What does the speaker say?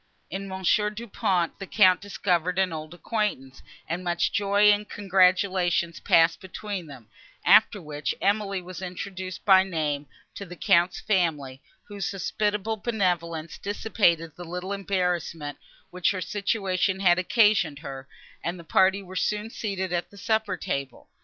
In Monsieur Du Pont the Count discovered an old acquaintance, and much joy and congratulation passed between them, after which Emily was introduced by name to the Count's family, whose hospitable benevolence dissipated the little embarrassment, which her situation had occasioned her, and the party were soon seated at the supper table.